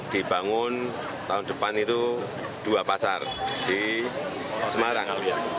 dibangun tahun depan itu dua pasar di semarang